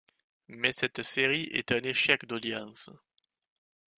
Mais cette série est un échec d'audiences.